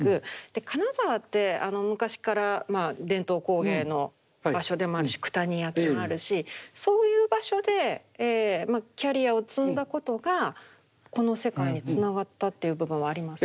金沢って昔から伝統工芸の場所でもあるし九谷焼もあるしそういう場所でキャリアを積んだことがこの世界につながったっていう部分はありますか？